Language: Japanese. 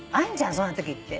そんなときって。